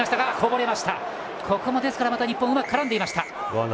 ここも日本うまく絡んでいました。